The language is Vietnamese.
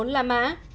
bốn là mã